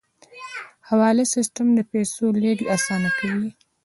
حواله سیستم د پیسو لیږد اسانه کوي